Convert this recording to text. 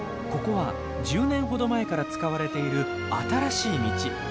ここは１０年ほど前から使われている新しい道。